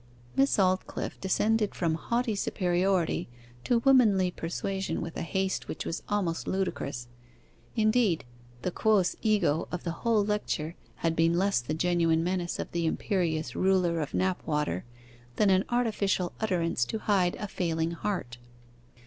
Miss Aldclyffe descended from haughty superiority to womanly persuasion with a haste which was almost ludicrous. Indeed, the Quos ego of the whole lecture had been less the genuine menace of the imperious ruler of Knapwater than an artificial utterance to hide a failing heart.